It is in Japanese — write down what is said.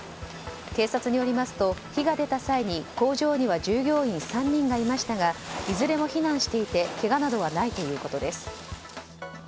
警察によりますと火が出た際に工場には従業員３人がいましたがいずれも避難していてけがなどはないということです。